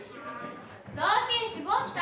雑巾絞った？